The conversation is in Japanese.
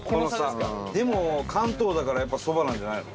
伊達：でも、関東だからやっぱ、そばなんじゃないの？